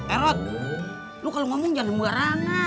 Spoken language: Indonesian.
erot lu kalau ngomong jangan demarangan